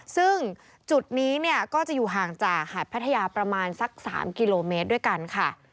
ซึ่งจุดนี้เนี่ยก็จะอยู่ห่างจากหาดพัทยาประมาณสัก๓กิโลเมตรด้วยกันค่ะ